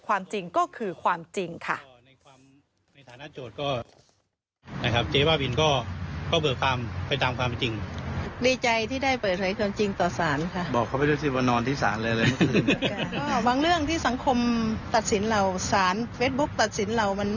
ความจริงก็คือความจริงค่ะ